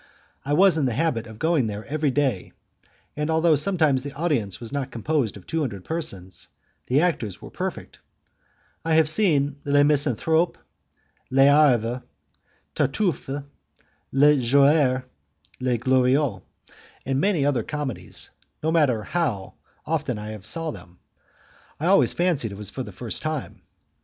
I was in the habit of going there every day, and although sometimes the audience was not composed of two hundred persons, the actors were perfect. I have seen 'Le Misanthrope', 'L'Avare', 'Tartufe', 'Le Joueur', 'Le Glorieux', and many other comedies; and, no matter how often I saw them. I always fancied it was the first time.